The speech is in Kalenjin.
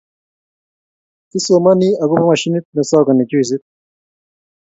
kisomani akubo mashinit ne sokoni juisit